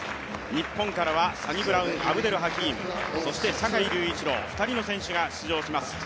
日本からはサニブラウン・アブデル・ハキームそして坂井隆一郎２人の選手が出場します。